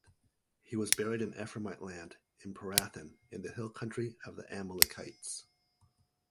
He was buried on Ephraimite land, in Pirathon, in the hill-country of the Amalekites.